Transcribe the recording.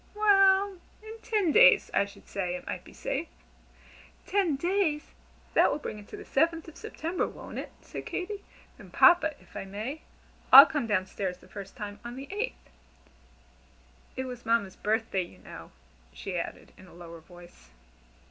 "Well in ten days, I should say, it might be safe." "Ten days! that will bring it to the seventh of September, won't it?" said Katy. "Then Papa, if I may, I'll come down stairs the first time on the eighth. It was Mamma's birthday, you know," she added in a lower voice.